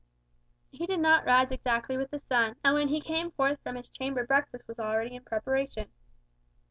He did not rise exactly with the sun, and when he came forth from his chamber breakfast was already in preparation.